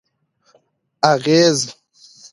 اغېز: